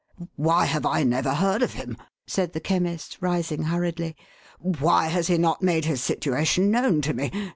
" Why have I never heard of him ?" said the Chemist, rising hurriedly. "Why has he not made his situation known to me